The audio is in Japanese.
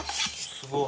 すごい。